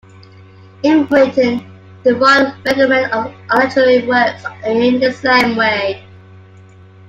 In Britain, the Royal Regiment of Artillery works in the same way.